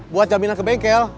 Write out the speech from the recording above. buat jaminan ke bengkel